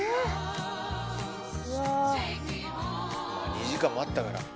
２時間待ったから。